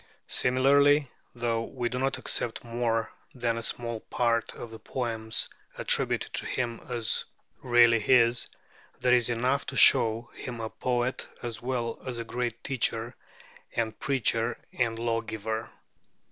Similarly, though we do not accept more than a small part of the poems attributed to him as really his, there is enough to show him a poet, as well as a great teacher and preacher and lawgiver.